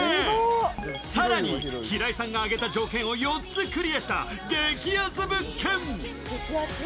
更に、平井さんが挙げた条件を４つクリアした激熱物件。